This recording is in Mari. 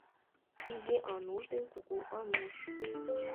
ИЗИ АНУШ ДЕН КУГУ АНУШ